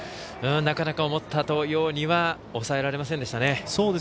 なかなか思ったようには抑えられませんでしたね。